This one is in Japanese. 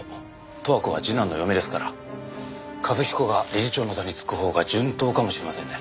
都和子は次男の嫁ですから一彦が理事長の座に就く方が順当かもしれませんね。